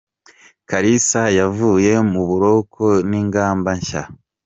Kalisa yavuye mu buroko n’ingamba nshya